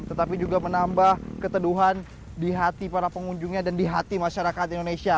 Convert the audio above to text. tetapi juga menambah keteduhan di hati para pengunjungnya dan di hati masyarakat indonesia